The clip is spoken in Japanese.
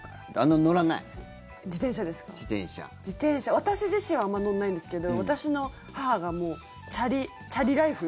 自転車、私自身はあまり乗んないんですけど私の母がもうチャリライフ